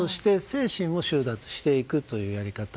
精神を収奪していくというやり方。